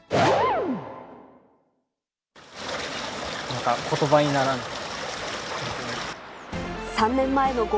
なんかことばにならない。